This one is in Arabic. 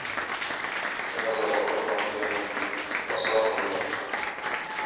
فتنازعوا أمرهم بينهم وأسروا النجوى